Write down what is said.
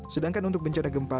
sedangkan untuk bencana gempa